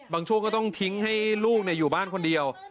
ช่วงก็ต้องทิ้งให้ลูกอยู่บ้านคนเดียว